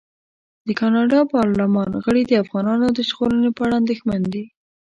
د کاناډا پارلمان غړي د افغانانو د ژغورنې په اړه اندېښمن دي.